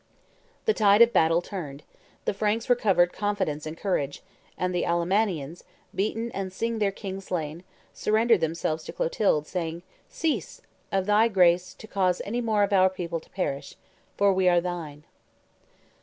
The tide of battle turned: the Franks recovered confidence and courage; and the Allemannians, beaten and seeing their king slain, surrendered themselves to Clovis, saying, "Cease, of thy grace, to cause any more of our people to perish; for we are thine."